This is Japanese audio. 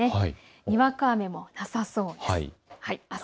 にわか雨もなさそうです。